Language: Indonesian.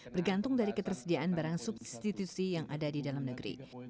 bergantung dari ketersediaan barang substitusi yang ada di dalam negeri